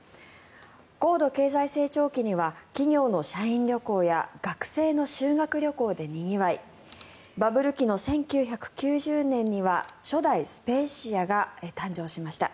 高度経済成長期には企業の社員旅行や学生の修学旅行でにぎわいバブル期の１９９０年には初代スペーシアが誕生しました。